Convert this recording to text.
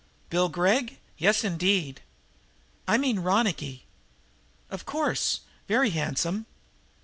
"Bill Gregg? Yes, indeed." "I mean Ronicky." "Of course! Very handsome!"